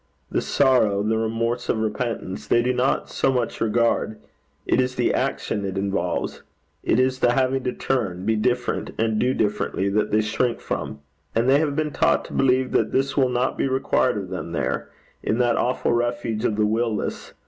The sorrow, the remorse of repentance, they do not so much regard: it is the action it involves; it is the having to turn, be different, and do differently, that they shrink from; and they have been taught to believe that this will not be required of them there in that awful refuge of the will less.